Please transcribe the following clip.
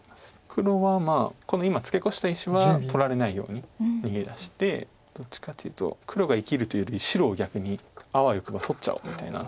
黒はこの今ツケコシた石は取られないように逃げ出してどっちかっていうと黒が生きるというより白を逆にあわよくば取っちゃおうみたいな。